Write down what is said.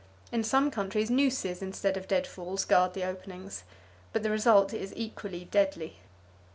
In some countries nooses instead of dead falls guard the openings, but the result is equally deadly.